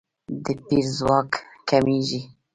د پیر ځواک کمیږي.